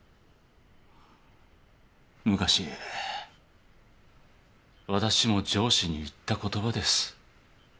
昔私も上司に言った言葉です。